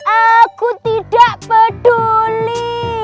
aku tidak peduli